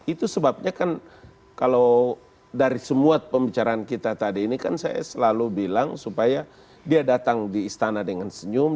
itu sebabnya kan kalau dari semua pembicaraan kita tadi ini kan saya selalu bilang supaya dia datang di istana dengan senyum